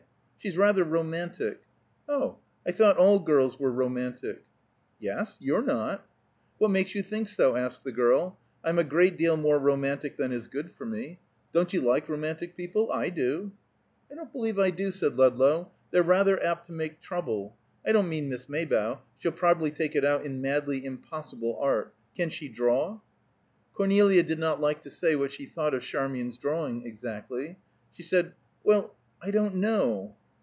"She's rather romantic." "Oh, I thought all girls were romantic." "Yes? You're not." "What makes you think so?" asked the girl. "I'm a great deal more romantic than is good for me. Don't you like romantic people? I do!" "I don't believe I do," said Ludlow. "They're rather apt to make trouble. I don't mean Miss Maybough. She'll probably take it out in madly impossible art. Can she draw?" Cornelia did not like to say what she thought of Charmian's drawing, exactly. She said, "Well, I don't know."